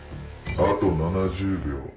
あと７０秒。